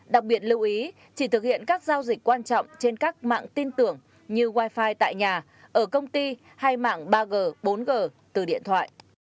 đặc biệt lưu ý chỉ thực hiện các giao dịch quan trọng trên các mạng tin tưởng như wifi tại nhà ở công ty hay mạng ba g bốn g từ điện thoại